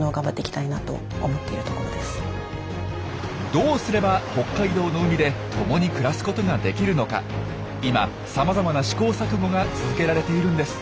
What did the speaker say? どうすれば北海道の海で共に暮らすことができるのか今さまざまな試行錯誤が続けられているんです。